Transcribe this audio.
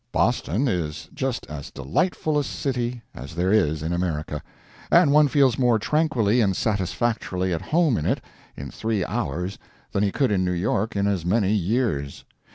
Boston is just as delightful a city as there is in America, and one feels more tranquilly and satisfactorily at home in it in three hours than he could in New York in as many years.